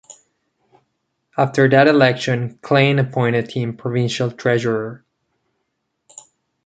After that election Klein appointed him Provincial Treasurer.